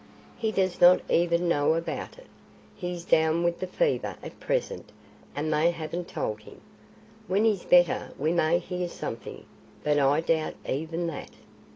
He does not even know about it. He's down with the fever at present and they haven't told him. When he's better we may hear something; but I doubt even that."